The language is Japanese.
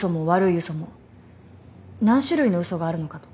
何種類の嘘があるのかと。